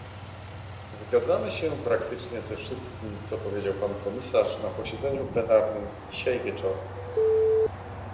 Zgadzamy się praktycznie ze wszystkim, co powiedział pan komisarz na posiedzeniu plenarnym dzisiaj wieczorem